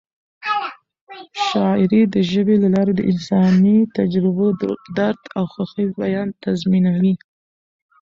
شاعري د ژبې له لارې د انساني تجربو، درد او خوښۍ بیان تضمینوي.